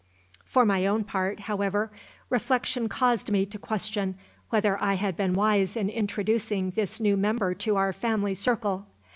For my own part, however, reflection caused me to question whether I had been wise in introducing this new member to our family circle.